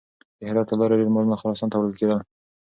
د هرات له لارې ډېر مالونه خراسان ته وړل کېدل.